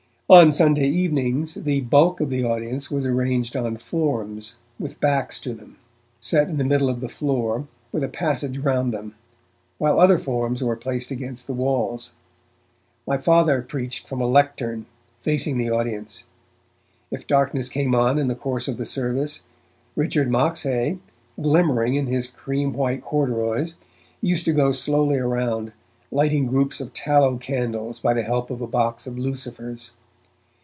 On Sunday evenings the bulk of the audience was arranged on forms, with backs to them, set in the middle of the floor, with a passage round them, while other forms were placed against the walls. My Father preached from a lectern, facing the audience. If darkness came on in the course of the service, Richard Moxhay, glimmering in his cream white corduroys, used to go slowly around, lighting groups of tallow candles by the help of a box of lucifers.